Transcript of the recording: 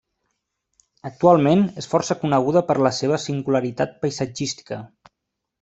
Actualment, és força coneguda per la seva singularitat paisatgística.